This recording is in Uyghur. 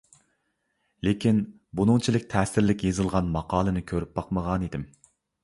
لېكىن، بۇنىڭچىلىك تەسىرلىك يېزىلغان ماقالىنى كۆرۈپ باقمىغانىدىم.